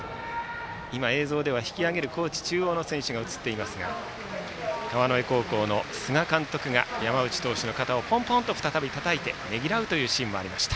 映像では引き上げる高知中央の選手が映っていますが川之江高校の菅監督が山内投手の肩をポンポンとたたいてねぎらうというシーンがありました。